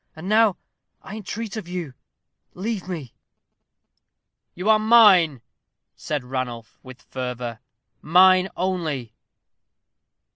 And now, I entreat of you, leave me." "You are mine," said Ranulph, with fervor; "mine only."